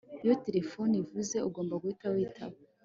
Iyo terefone ivuze ugomba guhita witaba